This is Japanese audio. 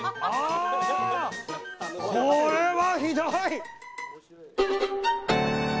これはひどい。